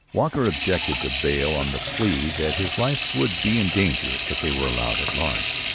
Walker objected to bail on the plea that his life would be in danger if they were allowed at large.